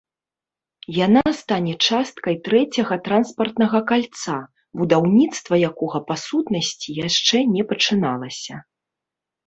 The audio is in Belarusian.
Яна стане часткай трэцяга транспартнага кальца, будаўніцтва якога па сутнасці яшчэ не пачыналася.